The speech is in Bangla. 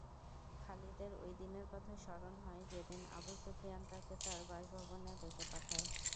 খালিদের ঐ দিনের কথা স্মরণ হয় যেদিন আবু সুফিয়ান তাকে তার বাসভবনে ডেকে পাঠায়।